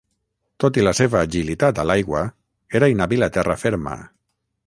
Tot i la seva agilitat a l'aigua era inhàbil a terra ferma.